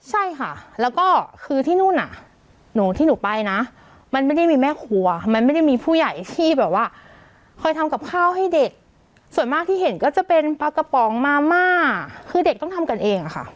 ใช่ค่ะแล้วก็คือที่นู่นอ่ะหนูที่หนูไปนะมันไม่ได้มีแม่ครัวมันไม่ได้มีผู้ใหญ่ที่แบบว่าคอยทำกับข้าวให้เด็กส่วนมากที่เห็นก็จะเป็นปลากระป๋องมาม่าคือเด็กต้องทำกันเองอะค่ะ